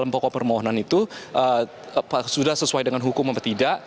pokok permohonan itu sudah sesuai dengan hukum atau tidak